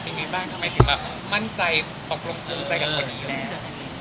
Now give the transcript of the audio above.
เป็นไงบ้างทำไมถึงแบบมั่นใจปรับรวมตัวใจกับคนอีก